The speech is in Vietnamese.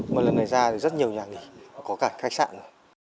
mà lần này ra thì rất nhiều nhà nghỉ có cả khách sạn